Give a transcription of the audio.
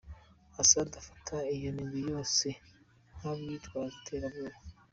Assad afata iyo migwi yose nk’abitwaje iterabwoba.